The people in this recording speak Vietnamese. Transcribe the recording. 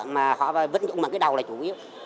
mà họ vẫn dụng bằng cái đầu là chủ yếu